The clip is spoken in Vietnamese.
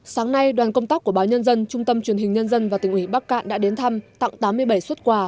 sáng nay đoàn công tác của báo nhân dân trung tâm truyền hình nhân dân và tỉnh ủy bắc cạn đã đến thăm tặng tám mươi bảy xuất quà